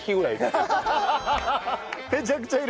めちゃくちゃいる。